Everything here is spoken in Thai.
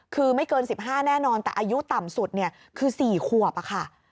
คือไม่เกิน๑๕แน่นอนแต่อายุต่ำสุดคือ๔ขวบค่ะ